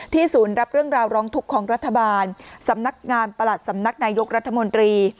ศูนย์รับเรื่องราวร้องทุกข์ของรัฐบาลสำนักงานประหลัดสำนักนายกรัฐมนตรี